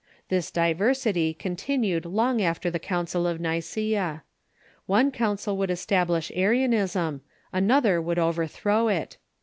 Ihis diversity continued long after the Council of Nicaea, One council would establish Arianism, another Avould overthrow it.